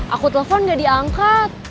aku telepon gak diangkat